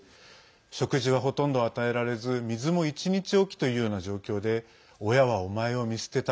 食事はほとんど与えられず水も１日おきというような状況で親はお前を見捨てた。